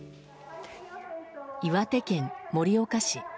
岩手県盛岡市。